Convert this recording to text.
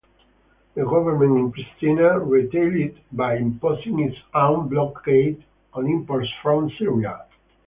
The government in Pristina retaliated by imposing its own blockade on imports from Serbia.